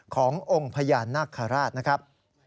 ขององค์พญานาคาราชนะครับ